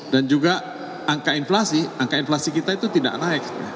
dan juga angka inflasi angka inflasi kita itu tidak naik